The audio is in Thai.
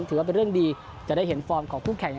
ถือว่าเป็นเรื่องดีจะได้เห็นฟอร์มของคู่แข่ง